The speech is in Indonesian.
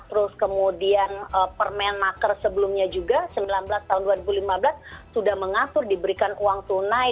terus kemudian permenaker sebelumnya juga sembilan belas tahun dua ribu lima belas sudah mengatur diberikan uang tunai